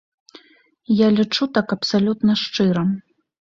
Я лічу так абсалютна шчыра.